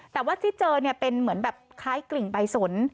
แต่ว่าที่เจอเนี่ยเป็นเหมือนแบบคล้ายกลิ่งใบสน